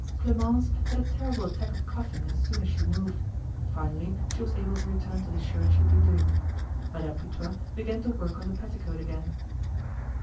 Clemence had a terrible attack of coughing as soon as she moved. Finally she was able to return to the shirt she had been doing. Madame Putois began to work on the petticoat again.